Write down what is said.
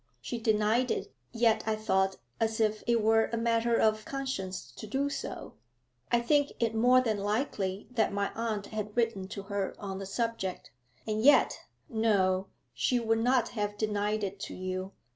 She denied it, yet, I thought, as if it were a matter of conscience to do so.' 'I think it more than likely that my aunt had written to her on the subject. And yet no; she would not have denied it to you.